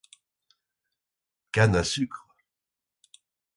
Canne à sucre.